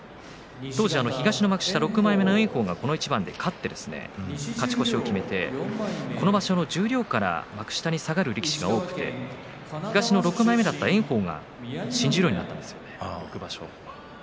当時、東の幕下６枚目の炎鵬がこの一番で勝って勝ち越しを決めてこの場所は十両から幕下に下がる力士が多くて６枚目だった炎鵬が新十両になったんですよ。